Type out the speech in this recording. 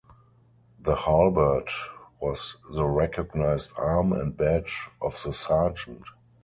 The halberd was the recognized arm and badge of the sergeant.